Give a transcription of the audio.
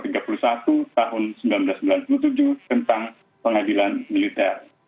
tahun seribu sembilan ratus sembilan puluh tujuh tentang pengadilan militer